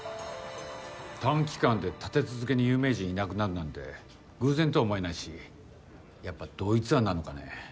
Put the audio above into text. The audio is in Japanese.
短期間で立て続けに有名人いなくなるなんて偶然とは思えないしやっぱ同一犯なのかね。